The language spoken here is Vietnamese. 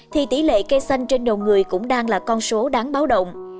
thì tỷ lệ cây xanh trên đầu người cũng đang là con số đáng báo động